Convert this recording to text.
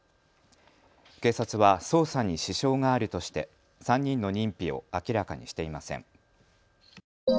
警察は捜査に支障があるとして３人の認否を明らかにしていません。